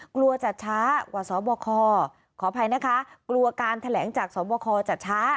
กลัวจะช้ากว่าสบคขออภัยนะคะกลัวการแถลงจากสวบคจะช้า